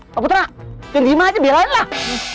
pak putra terima aja biar lain lah